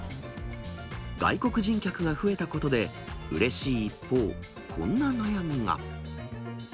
外国人客が増えたことでうれしい一方、こんな悩みが。